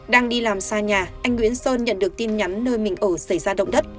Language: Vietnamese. đang đi làm xa nhà anh nguyễn sơn nhận được tin nhắn nơi mình ở xảy ra động đất